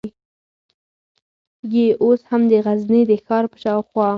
یې اوس هم د غزني د ښار په شاوخوا